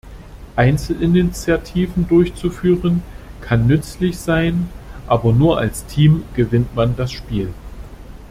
Einzelinitiativen durchzuführen, kann nützlich sein, aber nur als Team gewinnt man das Spiel.